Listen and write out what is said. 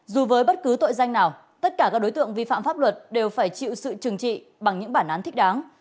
dù với bất cứ tội danh nào tất cả các đối tượng vi phạm pháp luật đều phải chịu sự trừng trị bằng những bản án thích đáng